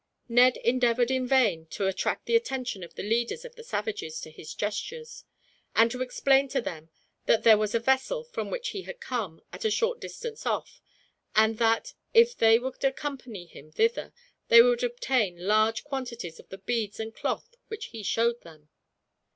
Ned endeavored, in vain, to attract the attention of the leaders of the savages to his gestures; and to explain to them that there was a vessel, from which he had come, at a short distance off; and that, if they would accompany him thither, they would obtain large quantities of the beads and cloth which he showed them.